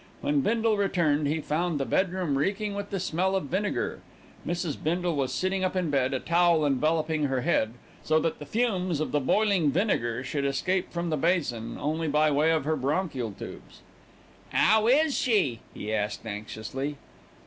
When Bindle returned, he found the bedroom reeking with the smell of vinegar. Mrs. Bindle was sitting up in bed, a towel enveloping her head, so that the fumes of the boiling vinegar should escape from the basin only by way of her bronchial tubes. "'Ow is she?" he asked anxiously.